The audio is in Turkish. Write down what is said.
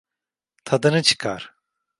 Tadını çıkar.